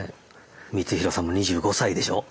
光宏さんも２５歳でしょ。